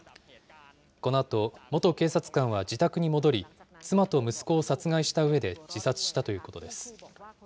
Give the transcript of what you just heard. このあと、元警察官は自宅に戻り、妻と息子を殺害したうえで自殺したということです。